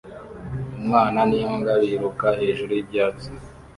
Umwana n'imbwa biruka hejuru y'ibyatsi